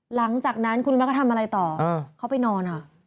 หลังจากนั้นคุณฟังก็ทำอะไรต่อเข้าไปนอน